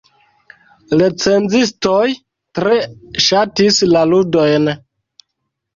Recenzistoj tre ŝatis la ludojn.